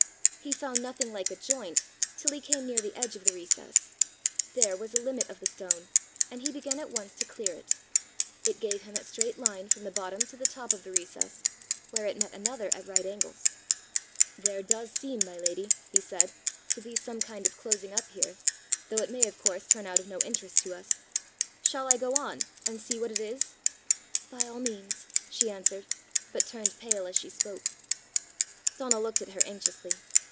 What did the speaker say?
He found nothing like a joint till he came near the edge of the recess: there was a limit of the stone, and he began at once to clear it. It gave him a straight line from the bottom to the top of the recess, where it met another at right angles. "There does seem, my lady," he said, "to be some kind of closing up here, though it may of course turn out of no interest to us! Shall I go on, and see what it is?" "By all means," she answered, but turned pale as she spoke. Donal looked at her anxiously.